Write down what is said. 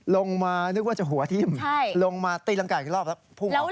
ลงมานึกว่าจะหัวทิ้มลงมาตีรังกายอีกรอบแล้วพุ่งออกมา